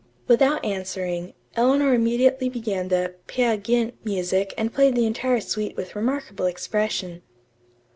'" Without answering, Eleanor immediately began the "Peer Gynt" music and played the entire suite with remarkable expression.